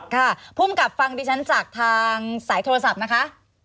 ภูมิกับฟังดิฉันจากทางสายโทรศัพท์นะคะ